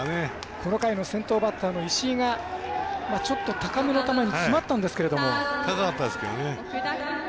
この回の先頭バッターの石井がちょっと高めの球に詰まったんですけど。